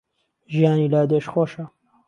ژیانی لادێش خۆشە